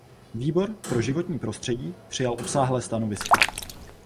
Výbor pro životní prostředí přijal obsáhlé stanovisko.